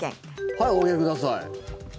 はい、お上げください。